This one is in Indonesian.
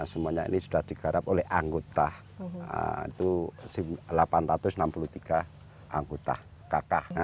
semuanya ini sudah digarap oleh anggota itu delapan ratus enam puluh tiga anggota